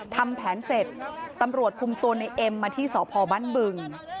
ทำแผนเสร็จตำรวจคุมตัวในเอ็มมาที่สพบ้านบึง